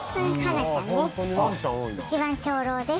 一番長老です。